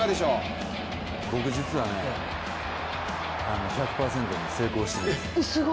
僕、実は１００％成功してるんです。